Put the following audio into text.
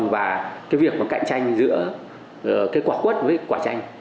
và cái việc mà cạnh tranh giữa cái quả quất với quả chanh